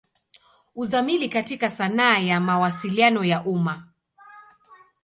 Uzamili katika sanaa ya Mawasiliano ya umma.